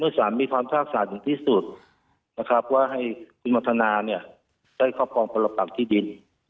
เมื่อสามมีความภาพศาสตร์อย่างที่สุดนะครับว่าให้คุณมัฒนาเนี่ยได้เข้าพร้อมประหลักภักษ์ที่ดิน